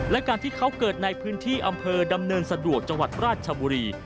และการที่เขาเกิดในพื้นที่อำเภอดำเนินสะดวกจังหวัดราชบุรี